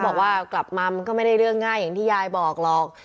บอกว่ากลับมามันก็ไม่ได้เรื่องง่ายอย่างที่ยายบอกหรอก